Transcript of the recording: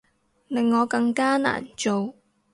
令我更加難做